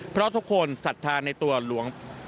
เพราะทุกคนศรัทธาในตัวหลวง